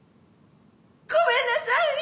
ごめんなさい！